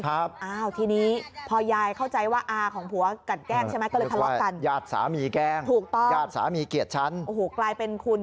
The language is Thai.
อ้าวทีนี้พอยายเข้าใจว่าอาของผัวกันแกล้งใช่ไหม